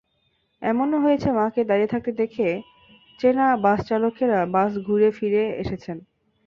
এমনও হয়েছে, মাকে দাঁড়িয়ে থাকতে দেখে চেনা বাসচালকেরা বাস ঘুরিয়ে ফিরে এসেছেন।